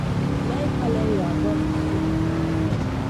Nay kalèh yagoua zi suʼu.